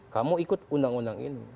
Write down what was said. kamu ikut undang undang ini